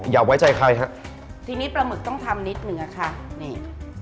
อย่าไว้ใจใครฮะทีนี้ปลาหมึกต้องทำนิดเหนือค่ะนี่